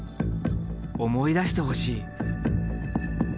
思い出してほしい。